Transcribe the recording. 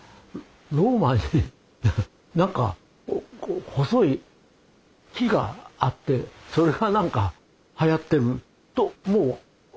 ローマに何か細い木があってそれがなんかはやってるともう私は思ったわけ。